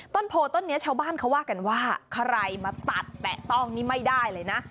ต้นโพต้นนี้ชาวบ้านเขาว่ากันว่าใครมาตัดแปะต้องนี่ไม่ได้เลยนะ